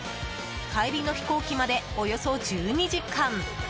帰りの飛行機までおよそ１２時間。